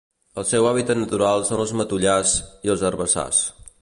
El seu hàbitat natural són els matollars i els herbassars.